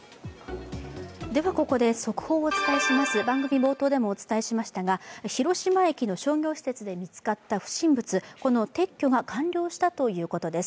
ここで速報をお伝えします番組冒頭でもお伝えしましたが広島駅の商業施設で見つかった不審物、この撤去が完了したということです。